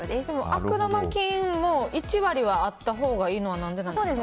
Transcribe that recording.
悪玉菌も１割はあったほうがいいのは何でですか？